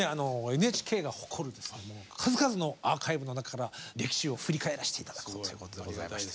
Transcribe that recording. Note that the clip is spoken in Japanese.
ＮＨＫが誇るですね数々のアーカイブの中から歴史を振り返らせて頂こうということでございまして。